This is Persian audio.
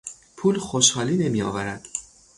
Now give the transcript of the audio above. پول خوشحالی نمیآورد.